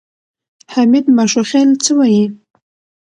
حمید ماشوخېل څه وایي؟